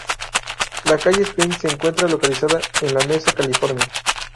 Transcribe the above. La Calle Spring se encuentra localizada en La Mesa, California.